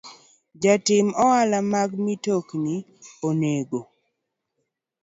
Jotim ohala mag mtokni onego